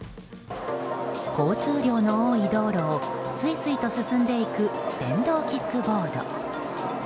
交通量の多い道路をすいすいと進んでいく電動キックボード。